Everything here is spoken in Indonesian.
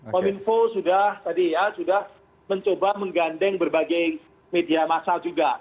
kominfo sudah mencoba menggandeng berbagai media masal juga